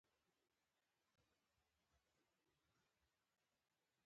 نورګل کاکا :ګوره جباره وينه په وينو نه مينځل کيږي.